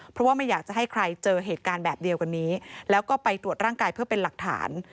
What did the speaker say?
เพราะว่าไม่อยากจะให้ใครเจอเหตุการณ์แบบเดียวกันนี้แล้วก็ไปตรวจร่างกายเพื่อเป็นหลักฐาน